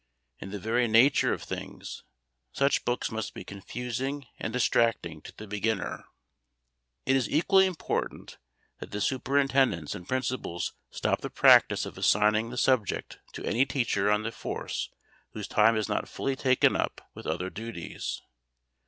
In the very nature of things such books must be confusing and distracting to the beginner. It is equally important that superintendents and principals stop the practice of assigning the subject to any teacher on the force whose time is not fully taken up with other duties.